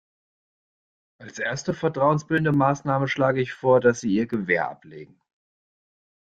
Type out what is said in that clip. Als erste vertrauensbildende Maßnahme schlage ich vor, dass Sie ihr Gewehr ablegen.